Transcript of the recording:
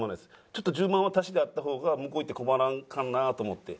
ちょっと１０万は足しであった方が向こう行って困らんかなと思って。